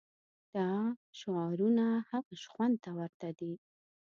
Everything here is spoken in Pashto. دا شعارونه هغه شخوند ته ورته دي.